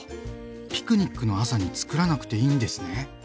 ピクニックの朝につくらなくていいんですね。